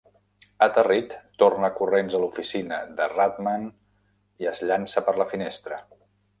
Aterrit, torna corrents a l'oficina de Rathmann i es llança per la finestra.